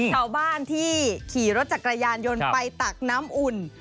ชาวบ้านที่ขี่รถจักรยานยนต์ไปตักน้ำอุ่น